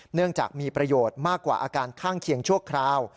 เนื่องจากมีประโยชน์มากกว่าอาการข้างเคียงชั่วคราว